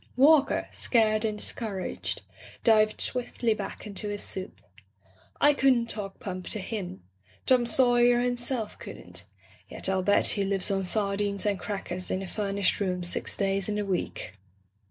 Walker, scared' and discouraged, dived swiftly back into his soup. I couldn't talk pump to him. Tota Saw yer himself couldn't. Yet Til bet he lives on sardines and crackers in a furnished room six days in the week."